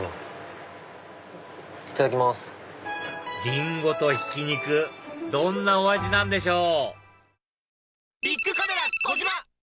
リンゴとひき肉どんなお味なんでしょう？